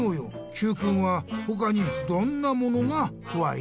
Ｑくんはほかにどんなものがこわい？